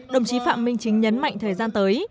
đồng chí phạm minh chính nhấn mạnh thời gian tới